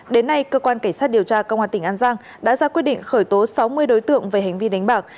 đến nay cơ quan cảnh sát điều tra công an tỉnh an giang đã ra quyết định khởi tố sáu mươi đối tượng về hành vi đánh bạc